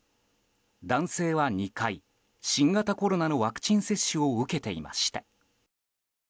男性は２回、新型コロナのワクチン接種を受けていました。